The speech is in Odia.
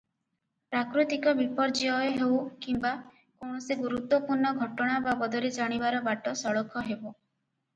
ପ୍ରାକୃତିକ ବିପର୍ଯ୍ୟୟ ହେଉ କିମ୍ବା କୌଣସି ଗୁରୁତ୍ତ୍ୱପୂର୍ଣ୍ଣ ଘଟଣା ବାବଦରେ ଜାଣିବାର ବାଟ ସଳଖ ହେବ ।